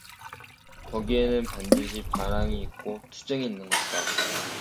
거기에는 반드시 반항이 있고 투쟁이 있는 것이다.